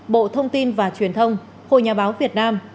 bộ thông tin và truyền thông hội nhà báo việt nam